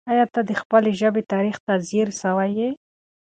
آیا ته د خپلې ژبې تاریخ ته ځیر سوی یې؟